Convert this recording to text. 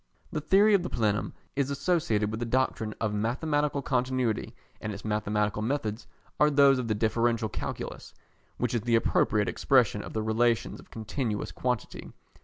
The theory of the plenum is associated with the doctrine of mathematical continuity, and its mathematical methods are those of the Differential Calculus, which is the appropriate expression of the relations of continuous quantity.